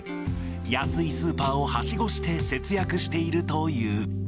安いスーパーをはしごして節約しているという。